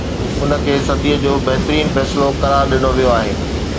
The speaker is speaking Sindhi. ان کي صدي جو بهترين فيصلو قرار ڏنو ويو آهي